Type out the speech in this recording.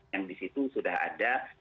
yang disitu sudah ada